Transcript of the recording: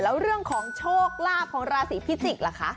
แล้วเรื่องของโชคลาภของราศีพิจิกษ์ล่ะคะ